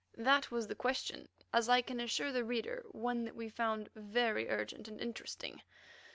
That was the question; as I can assure the reader, one that we found very urgent and interesting.